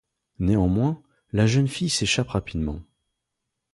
Néanmoins, la jeune fille s'échappe rapidement.